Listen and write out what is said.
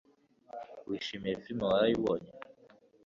Wishimiye firime waraye ubonye